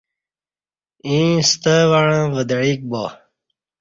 ییں ستہ وعݩہ ودعیک با